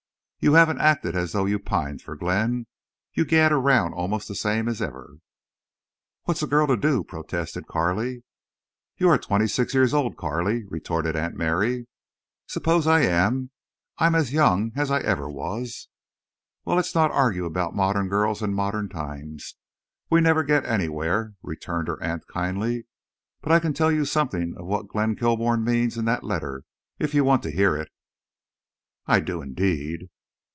You haven't acted as though you pined for Glenn. You gad around almost the same as ever." "What's a girl to do?" protested Carley. "You are twenty six years old, Carley," retorted Aunt Mary. "Suppose I am. I'm as young—as I ever was." "Well, let's not argue about modern girls and modern times. We never get anywhere," returned her aunt, kindly. "But I can tell you something of what Glenn Kilbourne means in that letter—if you want to hear it." "I do—indeed."